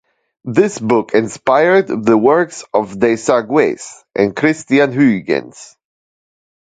This book inspired the works of Desargues and Christiaan Huygens.